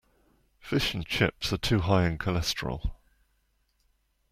Fish and chips are too high in cholesterol.